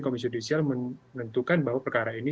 komisi judisial menentukan bahwa perkara ini